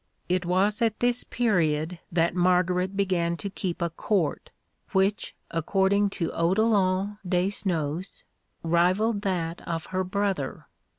It was at this period that Margaret began to keep a Court, which, according to Odolant Desnos, rivalled that of her brother.